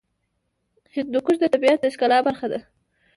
هندوکش د طبیعت د ښکلا برخه ده.